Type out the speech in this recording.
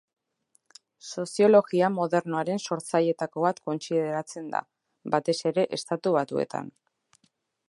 Soziologia modernoaren sortzailetako bat kontsideratzen da, batez ere Estatu Batuetan.